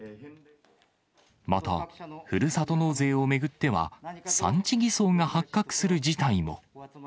また、ふるさと納税を巡っては、産地偽装が発覚する事態も。